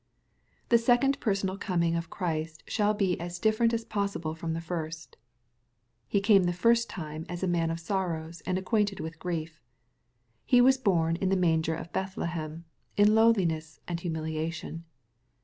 '' CThe second personal coming of Christ shall be as different as possible from the firstj^ CS e came the first time as a man of sorrows and acquainted with grief. He was born in the manger of Bethlehem, in lowliness and humiliation.